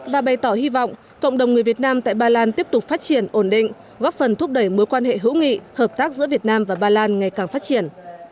và bày tỏ hy vọng cộng đồng người việt nam tại ba lan tiếp tục phát triển ổn định góp phần thúc đẩy mối quan hệ hữu nghị hợp tác giữa việt nam và ba lan ngày càng phát triển